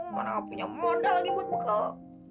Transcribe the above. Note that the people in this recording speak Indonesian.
mana aku punya moda lagi buat kau